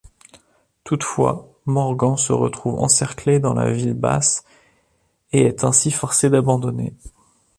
Toutefois, Morgan se retrouve encerclé dans la ville basse et est ainsi forcé d'abandonner.